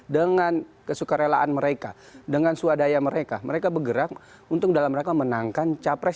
dengan kesuka relaan mereka dengan swadaya mereka mereka bergerak untuk dalam mereka menangkan capres